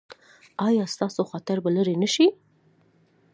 ایا ستاسو خطر به لرې نه شي؟